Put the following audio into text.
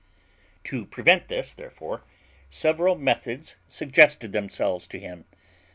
To prevent this, therefore, several methods suggested themselves to him.